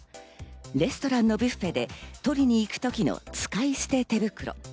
レストランのビュッフェで取りに行くときの使い捨て手袋。